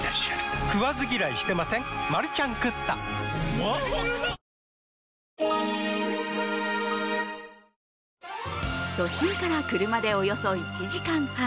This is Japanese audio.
本麒麟都心から車でおよそ１時間半。